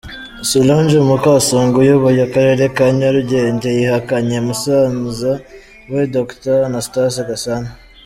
-Solange Mukasonga, uyoboye akarere ka Nyarugenge yihakanye musaza we Dr Anastase Gasana!